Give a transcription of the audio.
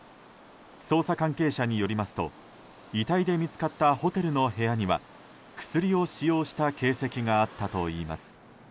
捜査関係者によりますと遺体で見つかったホテルの部屋には薬を使用した形跡があったといいます。